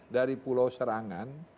dari pulau serangan